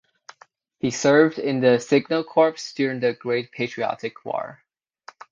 He served in the signal corps during the Great Patriotic War.